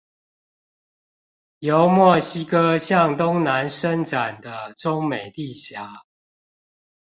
由墨西哥向東南伸展的中美地峽